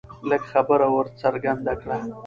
لږ خبره ور څرګنده کړه